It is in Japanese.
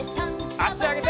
あしあげて。